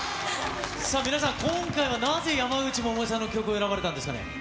さあ皆さん、今回はなぜ、山口百恵さんの曲を選ばれたんですかね。